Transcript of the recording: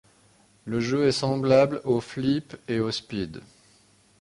Le jeu est semblable au Flip et au Speed.